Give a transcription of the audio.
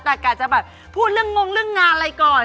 แต่กะจะแบบพูดเรื่องงงเรื่องงานอะไรก่อน